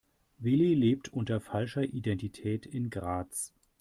Willi lebt unter falscher Identität in Graz.